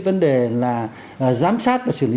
vấn đề là giám sát và xử lý